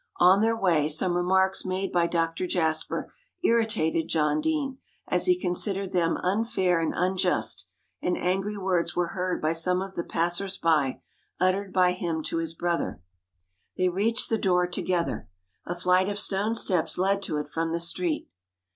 On their way, some remarks made by Dr Jasper irritated John Deane, as he considered them unfair and unjust, and angry words were heard by some of the passers by, uttered by him to his brother. They reached the door together. A flight of stone steps led to it from the street.